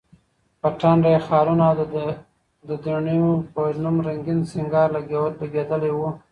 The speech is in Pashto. په ټنډه یې خالونه، او د دڼیو په نوم رنګین سینګار لګېدلی و.